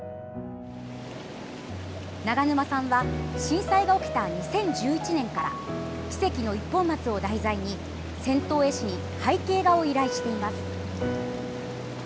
長沼さんは震災が起きた２０１１年から「奇跡の一本松」を題材に銭湯絵師に背景画を依頼しています。